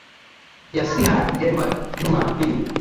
ya siha njema juma hili